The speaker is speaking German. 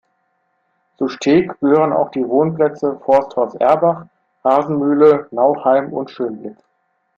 Zu Steeg gehören auch die Wohnplätze Forsthaus Erbach, Hasenmühle, Nauheim und Schönblick.